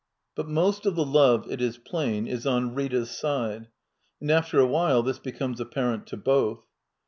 But most of the love, it is plain, is on Rita's side, and after awhile this becomes apparent to both.